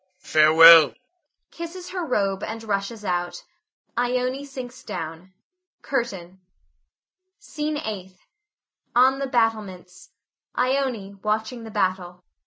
farewell! [Kisses her robe and rushes out. Ione sinks down. CURTAIN. SCENE EIGHTH. [On the battlements. Ione, watching the battle.] Ione.